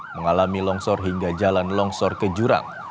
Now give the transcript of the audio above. mengalami longsor hingga jalan longsor ke jurang